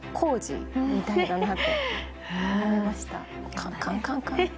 カンカンカンカン。